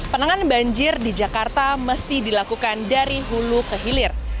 penanganan banjir di jakarta mesti dilakukan dari hulu ke hilir